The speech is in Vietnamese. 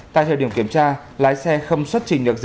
tại thời điểm kiểm tra lái xe không xuất trình được